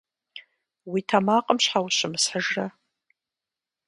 Уи тэмакъым щхьэ ущымысхьыжрэ?